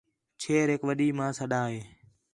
چھیریک وݙّی ماں سݙّا ہِے